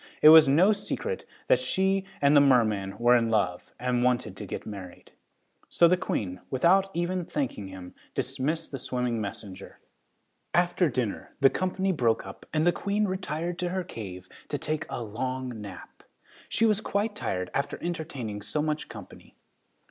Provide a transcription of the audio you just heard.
It was no secret that she and the merman were in love and wanted to get married. So the Queen, without even thanking him, dismissed the swimming messenger. After dinner, the company broke up and the Queen retired to her cave to take a long nap! She was quite tired after entertaining so much company.